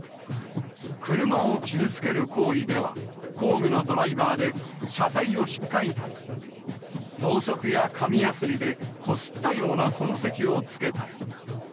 車を傷つける行為では、工具のドライバーで車体をひっかいたり、ろうそくや紙やすりでこすったような痕跡をつけたり。